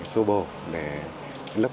xô bồ để lấp